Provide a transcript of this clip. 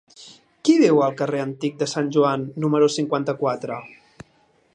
Qui viu al carrer Antic de Sant Joan número cinquanta-quatre?